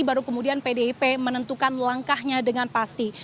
baru kemudian pdip menentukan langkahnya dengan pasti